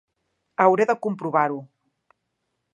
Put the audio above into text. Hauré de comprovar-ho.